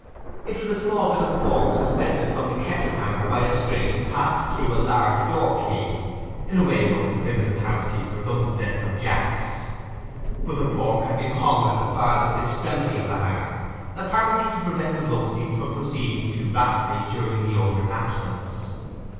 It was a small bit of pork suspended from the kettle hanger by a string passed through a large door key, in a way known to primitive housekeepers unpossessed of jacks. But the pork had been hung at the farthest extremity of the hanger, apparently to prevent the roasting from proceeding too rapidly during the owner's absence.